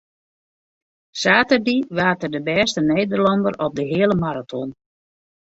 Saterdei waard er de bêste Nederlanner op de heale maraton.